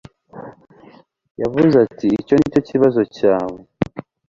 yavuze ati icyo ni co kibazo cyawe